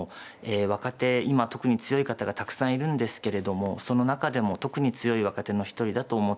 若手今特に強い方がたくさんいるんですけれどもその中でも特に強い若手の一人だと思っております。